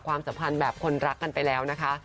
ความสัมพันธ์แบบคนรักกันไปแล้วนะคะ